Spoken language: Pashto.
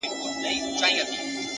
عاجزي د شخصیت تاج دی!